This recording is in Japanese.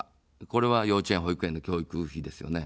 これは幼稚園、保育園の教育費ですよね。